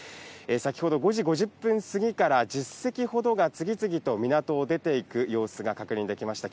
先ほど５時５０分過ぎから１０隻ほどが次々と港を出て行く様子が確認できました。